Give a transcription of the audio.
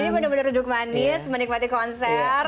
jadi benar benar duduk manis menikmati konser